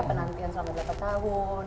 penantian selama delapan tahun